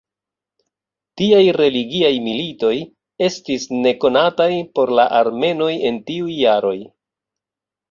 Tiaj religiaj militoj estis nekonataj por la armenoj en tiuj jaroj.